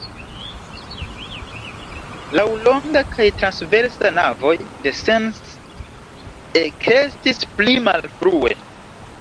Laŭlonga kaj transversa navoj de Sens ekestis pli malfrue.